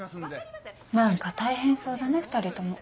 何か大変そうだね２人とも。